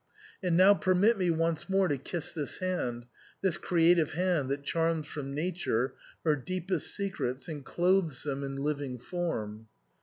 And now permit me once more to kiss this hand — this creative hand that charms from Nature her deepest secrets and clothes them in living form.